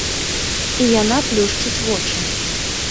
І яна плюшчыць вочы.